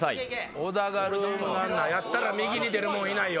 小田がルームランナーやったら右に出る者いないよ。